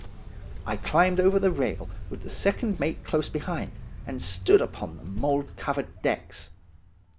I climbed over the rail, with the second mate close behind, and stood upon the mould covered decks.